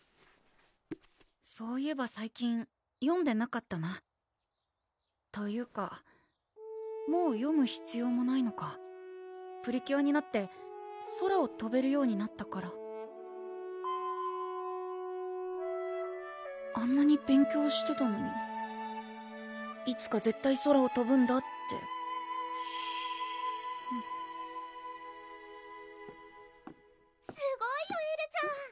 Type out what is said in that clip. そういえば最近読んでなかったなというかもう読む必要もないのかプリキュアになって空をとべるようになったからあんなに勉強してたのにいつか絶対空をとぶんだってすごいよエルちゃん